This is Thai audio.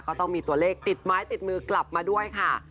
ก็ต้องมีตัวเลขติดไม้ติดมือกลับมาด้วยค่ะ